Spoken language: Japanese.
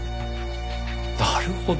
なるほど！